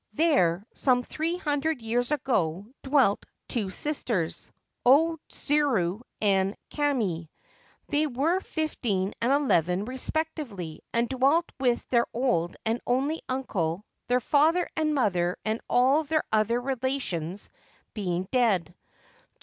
There, some three hundred years ago, dwelt two sisters, O Tsuru and Kame. They were fifteen and eleven respectively, and dwelt with their old and only uncle, their father and mother and all their other relations being dead.